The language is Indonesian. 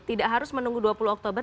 tidak harus menunggu dua puluh oktober